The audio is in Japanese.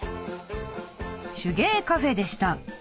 手芸カフェでした